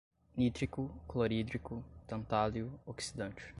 nítrico, clorídrico, tantálio, oxidante